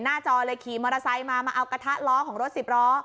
จอเลยขี่มอเตอร์ไซค์มามาเอากระทะล้อของรถสิบล้อ